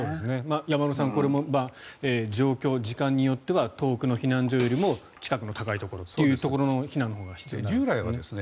山村さんこれも状況、時間によっては遠くの避難所よりも近くの高いところという避難が必要かもしれませんね。